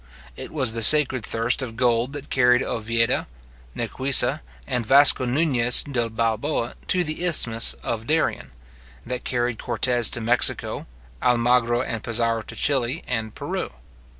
It was the sacred thirst of gold that carried Ovieda, Nicuessa, and Vasco Nugnes de Balboa, to the Isthmus of Darien; that carried Cortes to Mexico, Almagro and Pizarro to Chili and Peru.